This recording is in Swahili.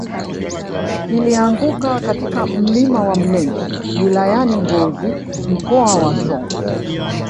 kilianguka katika mlima wa mlenje wilayani mbozi mkoa wa songwe